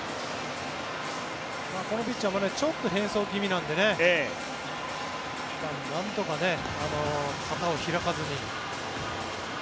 このピッチャーもちょっと変則気味なんでねなんとか肩を開かずに。